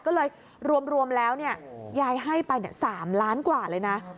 ก็เลยรวมแล้วยายให้ไป๓ล้านกว่าเลยนะ